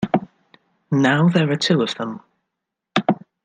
Now there are two of them.